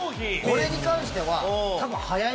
これに関しては。